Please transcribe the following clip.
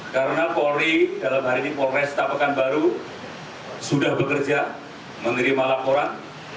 karena polri dalam hari ini polres tabeqanbaru sudah bekerja menerima laporan